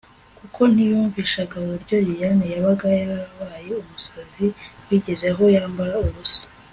kuko ntiyumvishaga uburyo lilian yaba yarabaye umusazi bigeze aho yambara ubusa